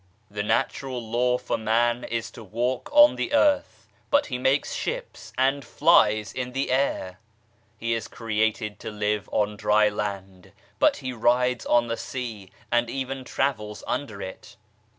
The natural law for man is to walk on the earth, but he makes ships and flies in the air ! He is created to live on dry land, but he rides on the sea and even travels under it